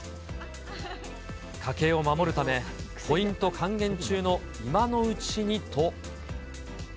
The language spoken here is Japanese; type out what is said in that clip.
家計を守るため、ポイント還元中の今のうちにと。